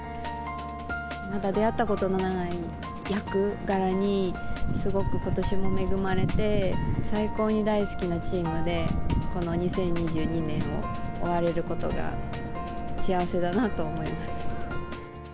まだ出会ったことのない役柄に、すごくことしも恵まれて、最高に大好きなチームで、この２０２２年を終われることが、幸せだなと思います。